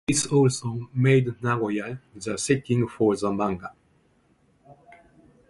This also made Nagoya the setting for the manga.